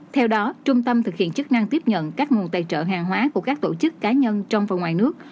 theo đó trung tâm thực hiện chức năng tiếp nhận các nguồn tài trợ hàng hóa của các tổ chức cá nhân trong và ngoài nước